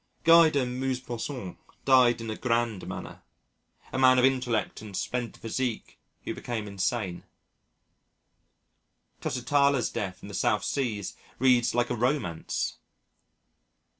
Guy de Maupassant died in a grand manner a man of intellect and splendid physique who became insane. Tusitala's death in the South Seas reads like a romance.